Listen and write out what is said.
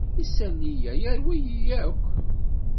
Isali-a yerwi-yi akk.